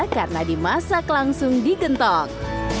karena dimasak langsung di gentong